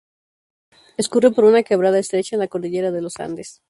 Escurre por una quebrada estrecha en la cordillera de los Andes.